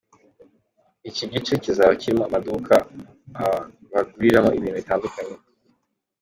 Iki gice kizaba kirimo amaduka baguriramo ibintu bitandukanye.